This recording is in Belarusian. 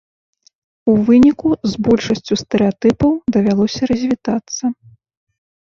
У выніку з большасцю стэрэатыпаў давялося развітацца.